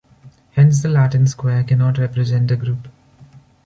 Hence the Latin square cannot represent a group.